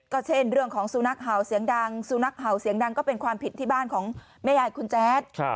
ก็เช่นเรื่องของสุนัขเห่าเสียงดังสุนัขเห่าเสียงดังก็เป็นความผิดที่บ้านของแม่ยายคุณแจ๊ด